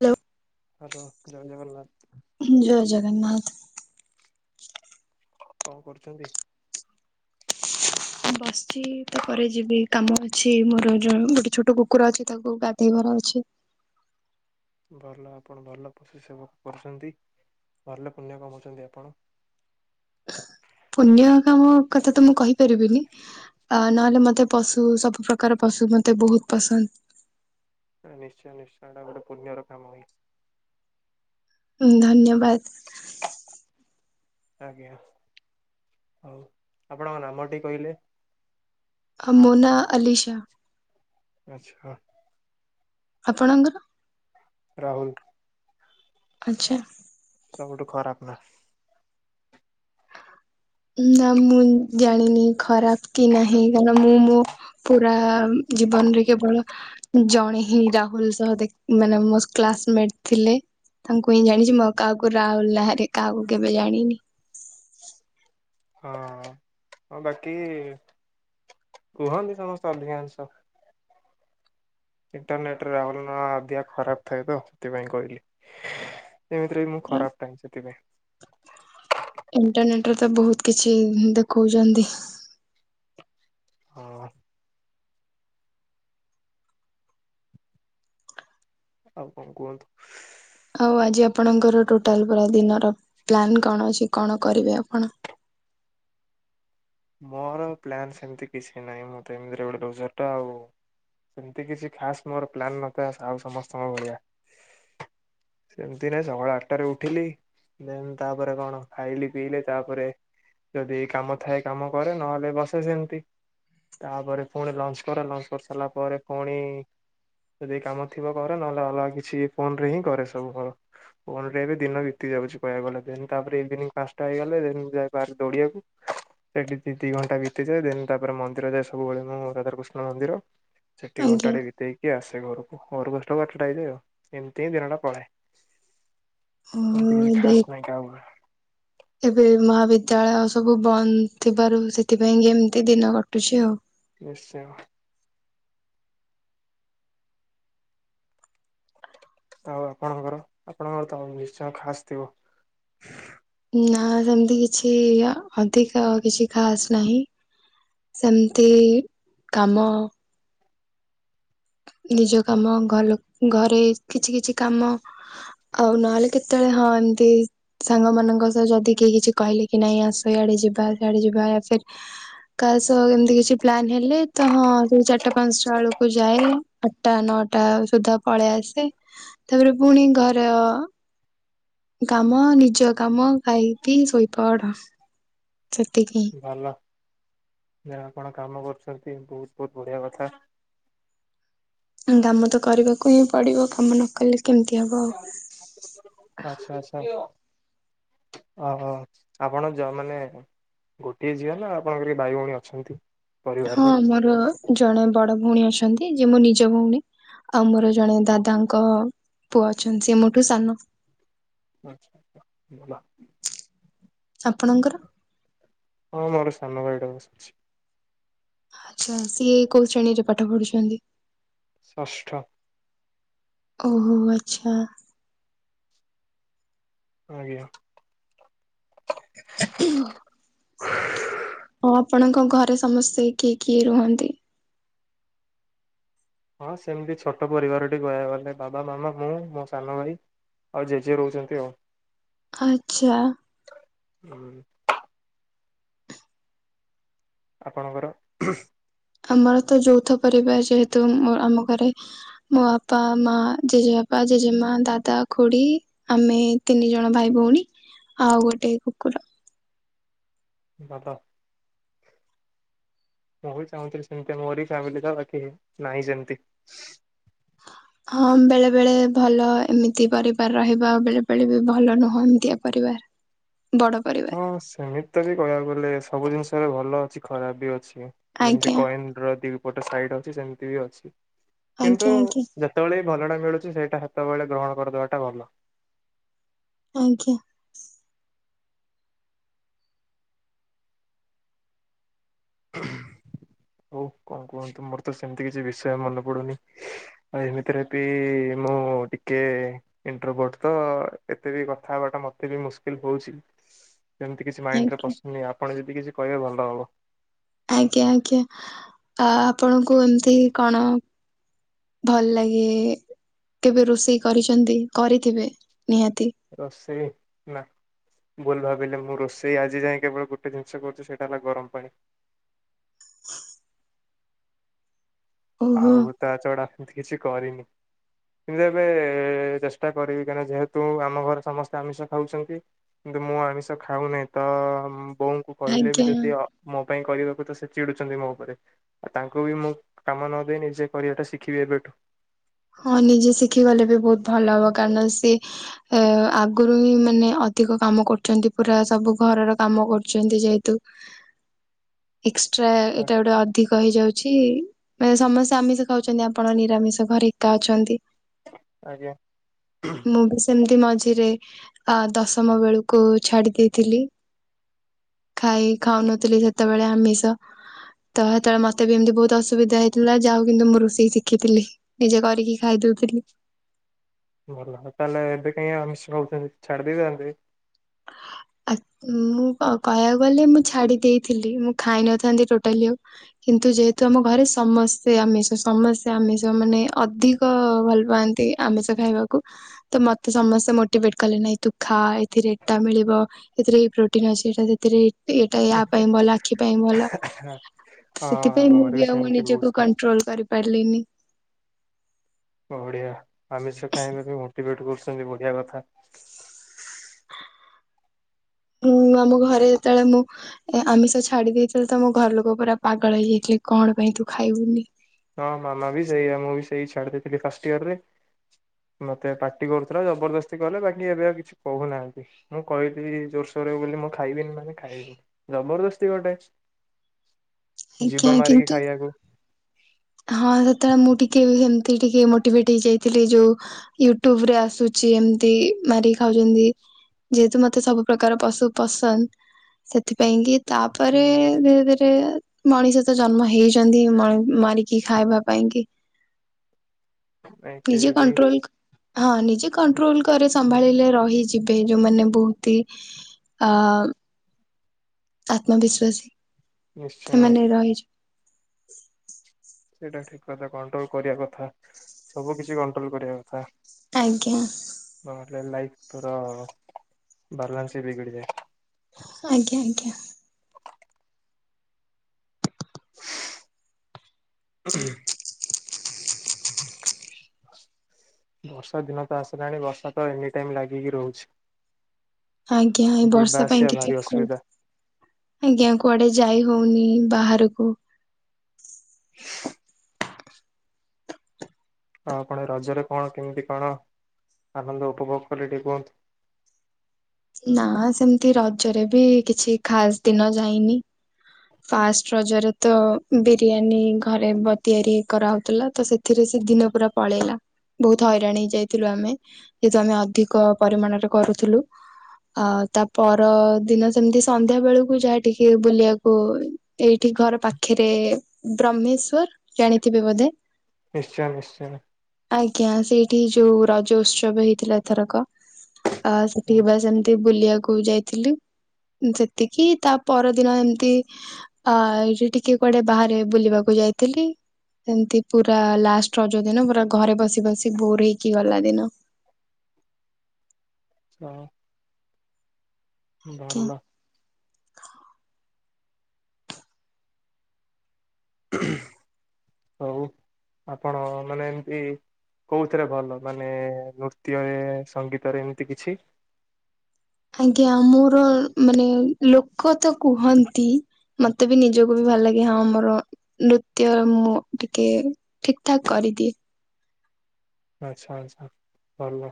Hello hello ଜୟ ଜଗନ୍ନାଥ। ଜୟ ଜଗନ୍ନାଥ। କଣ କରୁଛନ୍ତି? ବସିଛି ତାପରେ ଯିବି କାମ ଅଛି ମୋର ଯୋଉ ଗୋଟେ ଛୋଟ କୁକୁର ଅଛି ତାକୁ ଗାଧେଇବାର ଅଛି ହ [inaudible] [inaudible] ଭଲ ଆପଣ ଭଲ ପଶୁ ସେବା କରୁଛନ୍ତି। ଭଲ ପୁଣ୍ୟ କମଉଛନ୍ତି ଆପଣ ପୁଣ୍ୟ କାମ କଥା ତ ମୁଁ କହିପାରିବିନି ଅ ନହେଲେ ମତେ ପଶୁ ସବୁପ୍ରକାର ପଶୁ ମତେ ବହୁତ ପସନ୍ଦ। [inaudible] ନିଶ୍ଚୟ ନିଶ୍ଚୟ ଏଇଟା ଗୋଟେ ପୁଣ୍ୟର କାମ ହୁଏ। ଧନ୍ୟବାଦ। ଆଜ୍ଞା ହଉ ଆପଣଙ୍କ ନାମଟି କହିଲେ? ମୋ ନାଁ ଅଲିଶା। ଆଚ୍ଛା। ଆପଣଙ୍କର? ରାହୁଲ। ଆଚ୍ଛା। ସବୁଠୁ ଖରାପ ନା? ନା ମୁଁ ଜାଣିନି ଖରାପ କି ନାହିଁ କାର ମୁଁ ମୋ ପୁରା। ଜୀବନରେ କେବଳ ଜଣେ ହିଁ ରାହୁଲ ସହ ମାନେ ମୋ କ୍ଲାସମେଟ ଥିଲେ। ତାଙ୍କୁ ହିଁ ଜାଣିଛି ମୋ କାହାକୁ ରାଉଲ ନାଁରେ କାହାକୁ କେବେ ଜାଣିନି ହଁ ବାକି କହନ୍ତି ସମସ୍ତେ ଅଧିକାଂଶ ଇଣ୍ଟରନେଟରେ ରାହୁଲ ନ ଅଧ ଖରାପ ଥାଏ ତ ସେଥିପାଇଁ କହିଲି ଏମିତିରେ ବି ମୁଁ ଖରାପ ଟାହି ସେଥିପାଇଁ ଇଣ୍ଟରନେଟ ରେ ତ ବହୁତ କିଛି ଦେଖଉଛନ୍ତି। ହଁ। ଆଉ କଣ କୁହନ୍ତୁ? ହଉ ଆଜି ଆପଣ ଆପଣଙ୍କର ଟୋଟାଲ ପୁର ଦିନର ପ୍ଲାନ୍ କଣ ଅଛି କଣ କରିବେ ଆପଣ? ମୋର ପ୍ଲାନ୍ ସେମିତି କିଛି ନାହିଁ ମଁ ଏମିତି ଗୋଟେଡର ଟା ଆଉ। ସେମିତି କିଛି ଖାସ୍ ମୋର ପ୍ଲାନ ନଥାଏ ଆଉ ସମସ୍ତଙ୍କ ଭଳିଆ ସେମତି ନାାଇଁ ସକାଳ ଆଠଟାରେ ଉଠିଲି ଦେନ୍ ତାପରେ କଣ ଖାଇଲି ପିଇଲେ ତାପରେ ଯଦି କାମ ଥାଏ। କାମ କରେ ନହେଲେ ବସେ ସେମତି ତାପରେ ପୁଣି ଲଞ୍ଚ କର ଲଞ୍ଚ କରି ସାରିଲା ପରେ ପୁଣି ଯଦି କାମ ଥିବ କରେ ନହେଲେ ଅଲଗା କିଛି ଫୋନ ରେ ହିଁ କରେ ସବୁ କ ଫୋନ ରେ ଏ ବି ଦିନ ବିତି ଯାଏ କହିବାକୁ ଗଲେ ତାପରେ ଇଭିି ପାଞ୍ଚଟା ହେଇଗ ଯ ଦୌିବାକୁ ସେଠିି ଦି ଘଣ୍ଟା ବିତିଯାଏ ଦେନ ତାପରେ ମନ୍ଦିର ଯାଏ ସବୁବେଳେ ମୁଁ ରାଧାକୃଷ୍ଣ ମନ୍ଦିର ସେଠି ଆଜ୍ଞା ଘଣ୍ଟାଟେ ବିତେଇକି ଆସ ଘରକୁ ଆସିଲା ବେଳେକୁ ଆଠଟା ହେଇଯାଏ ଆଉ ଏମିତିଁ ଦିନ ଟା କଳ ଏମିତି କିଛି ଏବେ ଖାସ ନାଇଁ କାହାକୁରେ ଏବେ ମହାବିଦ୍ୟାଳୟ ସବୁ ବନ୍ଦ ଥିବାରୁ ସେଥିପାଇଁ କି ଏମିତି ଦିନ କଟୁଛି ଆଉ। ନିଶ୍ଚୟ। ଆଉ ଆପଣଙ୍କର ଆପଣଙ୍କର ତ ନିଶ୍ଚୟ ଖାସ ଥିବ ନା ସେମିତି କିଛି ଅଧିକ କିଛି ଖାସ୍ ନାହିଁ। ସେମତି କାମ ନିଜ କାମ ଘ ଘରେ କିଛି କିଛି କାମ ଆଉ ନହେଲେ କେତେବେଳେ ହଁ ଏମିତି ସାଙ୍ଗ ମାନଙ୍କ ସହ ଯଦି କେହି କିଛି କହିଲେ କି ନାଇଁ ଆସ ଇଆଡେ ଯିବା ସେଆଡେ ଯିବା କାହା ସହ କେମତି କିଛି ପ୍ଲାନ ହେଲେ ତ ହଁ ସେ ଚାରିଟା ପାଞ୍ଚଟା ବେଳକୁ ଯାଏ। ଆଠଟା ନଅଟା ସୁଦ୍ଧା ପଳେଇ ଆସେ ତାପରେ ପୁଣି ଘରେ କାମ ନିଜ କାମ ଖାଇକି ଶୋଇପଡ ସେତିିକି ଭଲ। ଆପଣ କାମ କରୁଛନ୍ତି ବହୁତ ବହୁତ ବଢିଆ କଥା। କାମ ତ କରିବାକୁ ହିଁ ପଡିବ କାମ ନ କଲେ କେମିତି ହବ ଆଉ ଆଚ୍ଛା ଆଚ୍ଛା। ଓ ଆପଣ ଯ ମାନେ ଗୋଟିଏ ଝିଅ ନା ଆପଣଙ୍କର ଭାଇ ଭଉଣୀ ଅଛନ୍ତି? ହଁ ପରିବାରରେ ମୋର ଜଣେ ବଡ ଭଉଣୀ ଅଛନ୍ତି, ଯେ ମୋ ନିଜ ଭଉଣୀ ଆଉ ମୋର ଜଣେ ଦାଦାଙ୍କ ପୁଅ ଅଛନ୍ତି, ସେ ମୋ ଠୁ ସାନ। ଆଚ୍ଛା ଭଲ। ଆପଣଙ୍କର। ହଁ ମୋର ସାନ ଭାଇ ଏଇଠେ ବସିଛି। ଆଚ୍ଛା ସିଏ କୋଉ ଶ୍ରେଣୀରେ ପାଠ ପଢୁଛନ୍ତି? ଷଷ୍ଠ। ଓହୋ ଆଚ୍ଛା। ଆଜ୍ଞା। ଓ ଆପଣଙ୍କ ଘରେ ସମସ୍ତେ କିଏ କିଏ ରୁହନ୍ତି? ହଁ ସେମିତି ଛୋଟ ପରିବାରଟି କହିବାକୁ ଗଲେ ବାବା, ମାମା, ମୁଁ, ମୋ ସାନ ଭାଇ। ଆଉ ଜେଜେ ରହୁଛନ୍ତି ଆଉ। ଆଚ୍ଛା। ହୁଁ। ଆପଣଙ୍କର। ଆମର ତ ଯୌଥ ପରିବାର ଯେହେତୁ ଉଁ ମୋ ଆମ ଘରେ ମୋ ବାପା, ମା, ଜେଜେବାପା। ଜେଜେମାଁ, ଦାଦା, ଖୁଡି ଆମେ ତିନି ଜଣ ଭାଇ ଭଉଣୀ। ଆଉ ଗୋଟେ କୁକୁର। ବାବା। ମୁଁ ବି ଚାହୁଁଥିଲି ସେମିତିଆ ମୋରି ଫ୍ୟାମିଲି ତ ବାକି ନାହିଁ ସେମିତି। ହଁ ବେଳେବେଳେ ଭଲ ଏମିତି ପରିବାର ରହିବା ବେଳେବେଳେ ବି ଭଲ ନୁହଁ ଏମିତିଆ ପରିବାର। [inaudible] ବଡ ପରିବାର ହଁ ସେମିତି ବି କହିବାକୁ ଗଲେ ସବୁ ଜିନିଷରେ ଭଲ ଅଛି ଖରାପ ବି ଅଛି। ହଁ ଯେମିତି ଆଜ୍ଞା କଏନ ର ଦି ପଟ ସାଇଡ୍ ଅଛି ସେମିତି ବି ଅଛି। କିନ୍ତୁ ଆଜ୍ଞା ଆଜ୍ଞା ଯେତେବେଳେ ଭଲ ଟା ମିଳୁଛି ସେଇଟା ସେତେବେଳେ ଗ୍ରହଣ କରିଦବାଟା ଭଲ। ଆଜ୍ଞା। ହଉ କଣ କୁହନ୍ତୁ? ମୋର ତ ସେମିତି କିଛି ବିଷୟ ମନେ ପଡୁନି ଆଉ ଏମିତିରେ ବି। ମୁଁ ଟିକେ ଇଣ୍ଟ୍ରୋଭଟ ତ ଆ ଏତେ ବି କଥା ହବା ଟା ମତେ ବି ମୁସ୍କିଲ ହଉଛି। ସେମିତି କିଛି ମାଇଣ୍ଡରେ ଆଜ୍ଞା ପସୁନି ଆପଣ ଯଦି କିଛି କହିବେ ଭଲ ହବ। ଆଜ୍ଞା ଆଜ୍ଞା ଆ ଆପଣଙ୍କୁ ଏମିତି କଣ? ଭଲ ଲାଗେ କେବେ ରୋଷେଇ କରିଛନ୍ତି କରିଥିବେ? ନିହାତି ରୋଷେଇ ନା। ଭୁଲ ଭାବିଲେ ମୁଁ ରୋଷେଇ ଆଜି ଯାଏଁ କେବଳ ଗୋଟେ ଜିନିଷ କରିଛି ସେଇଟା ହେଲା ଗରମ ପାଣି। ଓହୋ ଆଉ ତା ଛଡା ଏମିତି କିଛି କରିନି। କିନ୍ତୁ ଏବେ ଚେଷ୍ଟା କରିବି କାହିଁକିନା ଯେହେତୁ ଆମ ଘରେ ସମସ୍ତେ ଆମିଷ ଖାଉଛନ୍ତି। ମୁଁ ଆମିଷ ଖାଉନାହି ତ ଉଁ। ବୋଉଙ୍କୁ କହିଲେ ବି ଆଜ୍ଞା ଯଦି ଅ ମୋ ପାଇଁ କରିବାକୁ ତ ସେ ଚିଡୁଛନ୍ତି ମୋ ଉପରେ ଆଉ ତାଙ୍କୁ ବି ମୁଁ। କାମ ନ ଦେଇ ନିଜେ କରିବାଟା ଶିଖିବି ଏବେଠୁ। ହଁ ନିଜେ ଶିଖି ଗଲେ ବି ବହୁତ ଭଲ ହବ କାରଣ ସେ ଅ। ଆଗରୁ ହିଁ ମାନେ ଅଧିକ କାମ କରୁଛନ୍ତି ପୁରା ସବୁ ଘରର କାମ କରୁଛନ୍ତି ଯେହେତୁ। ଏକ୍ସଟ୍ରା ଏଇଟା ଗୋଟେ ଅଧିକ ହେଇଯାଉ ଛି ମାନେ ସମସ୍ତେ ଆମିଷ ଖାଉଛନ୍ତି ଆପଣ ନିରାମିଷ ଘରେ ଏକା ଅଛନ୍ତି। ଆଜ୍ଞା ମୁଁ ବି ସେମିତି ମ ମଝିରେ ଆ ଦଶମ ବେଳକୁ ଛାଡି ଦେଇଥିଲି। ଖାଇ ଖାଉନଥିଲି ସେତେବେଳେ ଆମିଷ। ତ ସେତେବେଳେ ମତେ ବି ଏମିତି ବହୁତ ଅସୁବିଧା ହେଇଥିଲା ଯାହା ହଉ କିନ୍ତୁ ମୁଁ ରୁଷେଇ ଶିଖିଥିଲି। ନିଜେ କରିକି ଖାଇଦଉଥିଲି। ଭଲ ତାହେଲେ ଏବେ କାଇଁ ଆମିଷ ଖାଉଛନ୍ତି ଛାଡି ଦେଇଥାନ୍ତେ? ଆ ମୁଁ କହିବାକୁ ଗଲେ ମୁଁ ଛାଡି ଦେଇଥିଲି ମୁଁ ଖାଇନଥାନ୍ତି ଟୋଟାଲି ଆଉ। କିନ୍ତୁ ଯେହେତୁ ଆମ ଘରେ ସମସ୍ତେ ଆମିଷ ସମସେ ଆମିଷ ମାନେ ଅଧିକ ଭଲ ପାଆନ୍ତି। ଆମିଷ ଖାଇବାକୁ ତ ମତେ ସମସ୍ତେ ମୋଟିଭେଟ କଲେ ନାଇଁ ତୁ ଖା ଏଥିରେ ଏଟା ମିଳିବ ଏଥିରେ ପ୍ରୋଟିନ ଅଛି ତ ସେଥିରେ ଏଇଟା ୟା ପାଇଁ ଭଲ ଆଖି ପାଇଁ ଭଲ। ହଁ ସେଥିପାଇଁ ଆମ ମୁଁ ଘରେ ବି ଆଉ ସେମିତି ନିଜକୁ ବହୁତ କଣ୍ଟ୍ରୋଲ କରିପାରିଲିନି। ବଢିଆ ଆମିଷ ଖାଇବା ପାଇଁ ମୋଟିଭେଟ କରୁଛନ୍ତି ବଢିଆ କଥା। [inaudible] ମୁଁ ଆମ ଘରେ ଯେତେବେଳେ ମୁଁ ଆମିଷ ଛାଡି ଦେଇେଇଥିଲି ତ ମୋ ଘରଲୋକ ପୁରା ପାଗଳ ହେଇଯାଇଥିଲେ। କି କଣ ପାଇଁ ତୁ ଖାଇବୁନି? ହଁ ମାମା ବି ସେଇ ମୁଁ ବି ସେଇ ଛାଡି ଦେଇେଇଥିଲି ଫାଷ୍ଟି ଇୟର ରେ ମତେ ପାଟି କରୁଥିଲା ଜବରଦସ୍ତି କଲେ ବାକି ଏବେ ଆଉ କିଛି କହୁନାହାନ୍ତି ମୁଁ କହିଲି ଜୋରସେ ବୋଲି ମୁଁ ଖାଇବିନି ମାନେ ଖାଇବିନି ଜବରଦସ୍ତି ଗୋଟେ ଆଜ୍ଞା ଜୀବ ମାରିକି କିନ୍ତୁ ଖାଇବାକୁ ହଁ ସେତେବେଳେ ମୁଁ ଟିକେ ସେମତି ଟିକେ ମୋଟିଭେଟ ହେଇଯାଇଥିଲି ଯୋଉ ୟୁଟ୍ୟୁବରେ ଆସୁଛି ଯେମିତି ମାରିକି ଖାଉଛନ୍ତି। ଯେହେତୁ ମତେ ସବୁ ପ୍ରକାର ପଶୁ ପସନ୍ଦ ସେଥିପାଇଁ କି? ତାପରେ ହୁଁ ଧୀରେ ଧୀରେ ମଣିଷ ତ ଜନ୍ମ ହେଇଛନ୍ତି ମଣି ମାରିକି ଖାଇବା ପାଇଁ କି ନିଜେ ଫିର ବି କଟ୍ରୋଲ ହଁ ନି ଯିଏ କଣ୍ଟ୍ରୋଲ କରେ ସମ୍ଭାଳିଲେ ରହିଯିବେ ଯୋଉମାନେ ବହୁତ ଆମେ ଆତ୍ମବିଶ୍ଵାସୀ ନିଶ୍ଚୟ ସେମାନେ ରହିଛି।। ସେଇଟା ଠିକ କଥା କଣ୍ଟ୍ରୋଲ କରିବା କଥା ସବୁ କିଛି କଣ୍ଟ୍ରୋଲ କରିବା କଥା। ଆଜ୍ଞା ନହେଲେ ଲାଇଫି ପୁରା ବାଲାନ୍ସ ହିଁ ବିଗିଡିଯାଏ। ଆଜ୍ଞା ଆଜ୍ଞା। ଶୁଉଁ ହୁଁ ହୁଁ। ହ [inaudible] ବର୍ଷା ଦିନ ତ ଆସିଲାଣି ବର୍ଷା ତ ଏନି ଟାଇମ ଲାଗିକି ରହୁଛି। ଆଜ୍ଞା ଏ ଯିବା ବର୍ଷା ପାଇଁ ଆସିବା ଭାରି କେତେ କୁ ଅସୁବିଧା ଆଜ୍ଞା କୁଆଡେ ଯାଇ ନୋଉନି ବାହାରକୁ [inaudible] ଆଉ ଆପଣ ରଜରେ କଣ କେମିତି କଣ ଆନନ୍ଦ ଉପଭୋଗ କଲେ ଟିକେ କୁହନ୍ତୁ? [inaudible] ନା ସେମିତି ରଜରେ ବି କିଛି ଖାସ ଦିନ ଯାଇନି। ଫାଷ୍ଟ ରଜରେ ତ ବିରିୟାନୀ ଘରେ ବ ତିଆରି କରାହେଉ ଥିଲା ତ ସେଥିରେ ଦି ଦିନ ପୁରା ପଳେଇଲା। ବହୁତ ହଇରାଣ ହେଇ ଯାଇଥିଲୁ ଆମେ ଯେହେତୁ ଆମେ ଅଧିକ ପରିମାଣରେ କରୁଥିଲୁ। ଆଉ ତା ପର ଦିନ ସେମିତି ସନ୍ଧ୍ୟା ବେଳକୁ ଯାହା ଟିକେ ବୁଲିବାକୁ ଓ ଏଇଠି ଘର ପାଖରେ ବ୍ରହ୍ମେଶ୍ଵର ଜାଣିଥିବେ ବୋଧେ? ନିଶ୍ଚୟ ନିଶ୍ଚୟ। ଆଜ୍ଞା ସେଇଠି ଯୋଉ ରଜ ଉତ୍ସବ ହେଇଥିଲା ଏଥରକ। ଆ ସେଠିକି ବା ସେମିତି ବୁଲିବାକୁ ଯାଇଥିଲୁ ସେତିକି ତା ପରଦିନ ଏମିତି ଆଜୋଉ ଟିକେ କୁଆଡେ ବାହାରେ ବୁଲିବାକୁ ଯାଇଥିଲି। ସେମତି ପୁରା ଲାଷ୍ଟ ରକ ଦିନ ପୁରା ଘରେ ବସି ବସି ବୋର ହେଇକି ଗଲା ଦିନ। ହଁ। ଆଜ୍ଞା ଭଲ। ହଉ ଆପଣ ମାନେ ଏମିତି କୋଉଥିରେ ଭଲ ମାନେ ନୃତ୍ୟରେ ସଙ୍ଗୀତରେ ଏମିତି କିଛି? ଆଜ୍ଞା ମୋର ମାନେ ଲୋକ ତ କୁହନ୍ତି? ମତେ ବି ନିଜକୁ ବି ଭଲାଗେ ହଁ ମୋର ନୃତ୍ୟ ମୁଁ ଟିକେ ଠିକି ଠାକ୍ କରେ। ଯଦି ଆଛା ଆଛା ଭଲ।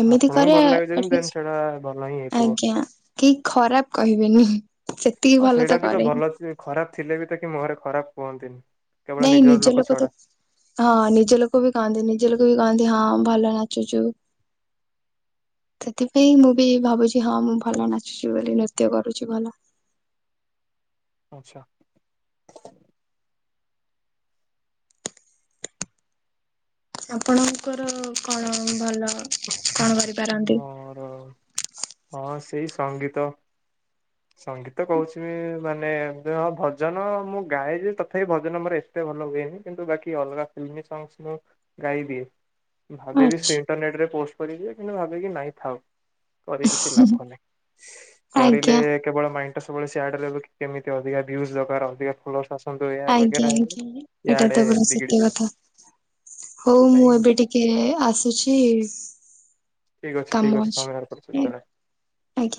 ଏମିତି ଆପଣଙ୍କୁ କରେ ଭଲ ଲାଗୁଛି ଦେନ୍ ଆଟଲିଷ୍ଟ ସେଟା ଭଲ ହିଁ ହେଇଥିବ। ଆଜ୍ଞା କେହି ଖରାପ କହିବେନି ସେତିକି ହଁ ଭଲ ସେଇଟା ବି ତ କରେ ହିଁ। ଭଲ ଖରାପ ଥିଲେ ବି ତ କି ମୁହଁରେ ଖରାପ କୁହନ୍ତିନି। କେବଳ ନାଇଁ ନିଜର ନିଜ ଲୋକ ଛଡା ତ ହଁ ନିଜ ଲୋକ ବି କାଆନ୍ତି ନିଜ ଲୋକ ବି କହନ୍ତି ହଁ ଭଲ ନାଚୁଛୁ। [unintelligible] ସେଥିପାଇଁ ମୁଁ ବି ଭାବୁଛି ହଁ ମୁଁ ଭଲ ନାଚୁଛି, ବୋଲି ନୃତ୍ୟ କରୁଛି ଭଲ। ଆଚ୍ଛା। ଆପଣଙ୍କର କଣ ଭଲ? କଣ କରିପାରନ୍ତି? ମର ହ ସେଇ ସଙ୍ଗୀତ ସଙ୍ଗୀତ କହୁଛି ମୁ ମାନେ ହଁ ଭଜନ ମୁଁ ଗାଏଛି ତଥାପି ଭଜନ ମୋର ଏତେ ଭଲ ହୁଏନି କିନ୍ତୁ ବାକି ଅଲଗା ଫ ସଂଙ୍ଗସ ନ ଗାଇବି ଭାବି ଆଚ୍ଛା ସେ ଇଣ୍ଟରନେଟରେ ପୋଷ୍ଟ କରି କିନ୍ତୁ ଭାକି ନାଇଁ ଥାଉ କରିି କିଛି ଲାଭ ନାହିଁ କରିଲେ ଆଜ୍ଞା କେବଳ ମାଇ ସବୁବେଳେ ସିଆଡ କେମିତି ଅଧିକା ଭ ଦକାରଧିକ ଫଲ ଆଜ୍ଞା ଆଜ୍ଞା ଏଇଟା ତ ପୁରା ସତ୍ୟ ବିଗିଡିଯିବ କଥା। ହଉ ମୁଁ ସେଥିପାଇଁ ଏବେ ଟିକେ ଆସୁଛି। ଠିକ ଅଛି ଠିକ ଅଛି ସମେ ଆ କରଛ। ଆଜ୍ଞା।